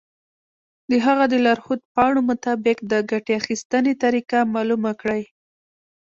د هغه د لارښود پاڼو مطابق د ګټې اخیستنې طریقه معلومه کړئ.